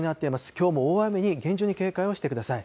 きょうも大雨に厳重に警戒をしてください。